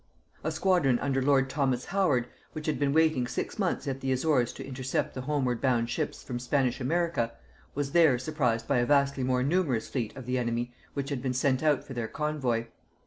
A squadron under lord Thomas Howard, which had been waiting six months at the Azores to intercept the homeward bound ships from Spanish America, was there surprised by a vastly more numerous fleet of the enemy which had been sent out for their convoy.